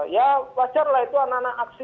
ya wajarlah itu anak anak aksi